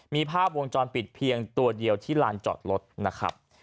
มีภาพวงจรปิดเพียงตัวเดียวที่ลานจอดรถนะครับ